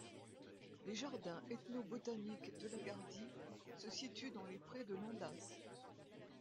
Les jardins ethno-botaniques de la Gardie se situent dans les prés de Landas.